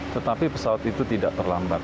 tetapi pesawat itu tidak terlambat